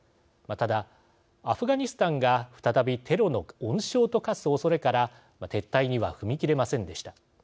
ただ、アフガニスタンが再びテロの温床と化すおそれから撤退には踏み切れませんでした。